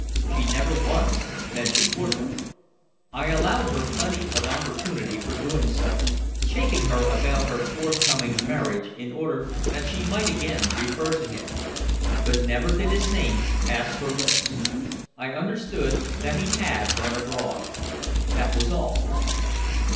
She never once mentioned Woodroffe. I allowed her plenty of opportunity for doing so, chaffing her about her forthcoming marriage in order that she might again refer to him. But never did his name pass her lips. I understood that he had gone abroad that was all.